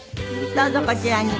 どうぞこちらに。